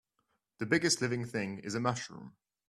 The biggest living thing is a mushroom.